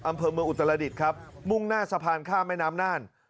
อำเภอเมืองอุตรดิษฐ์ครับมุ่งหน้าสะพานข้ามแม่น้ำน่าน